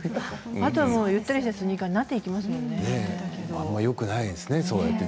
あとはゆったりしたスニーカーになりますよね。